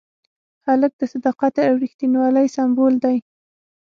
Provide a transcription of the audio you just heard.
هلک د صداقت او ریښتینولۍ سمبول دی.